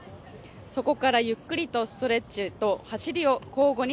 そこからゆっくりとストレッチと走りを交互に